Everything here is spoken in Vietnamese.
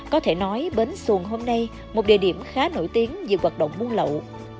có thể nói bến xuân hôm nay một địa điểm khá nổi tiếng vì hoạt động muôn lậu